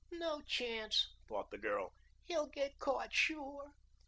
"No chance," thought the girl. "He'll get caught sure."